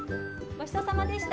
ごちそうさまでした。